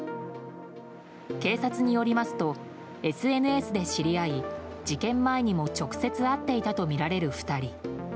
警察によりますとＳＮＳで知り合い事件前にも直接会っていたとみられる２人。